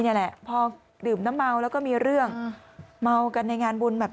นี่แหละพอดื่มน้ำเมาแล้วก็มีเรื่องเมากันในงานบุญแบบ